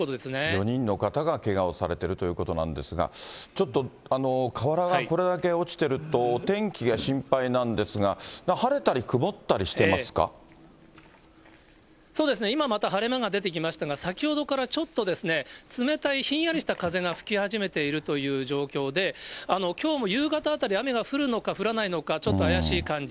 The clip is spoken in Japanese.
４人の方がけがをされているということなんですが、ちょっと瓦がこれだけ落ちてるとお天気が心配なんですが、晴れたそうですね、今また晴れ間が出てきましたが、先ほどからちょっとですね、冷たいひんやりした風が吹き始めているという状況で、きょうも夕方あたり、雨が降るのか降らないのか、ちょっと怪しい感じ。